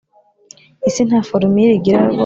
Isi nta forumire igira rwose